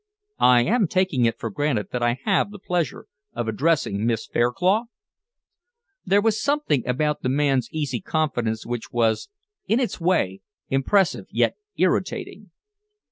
I am taking it for granted that I have the pleasure of addressing Miss Fairclough?" There was something about the man's easy confidence which was, in its way, impressive yet irritating.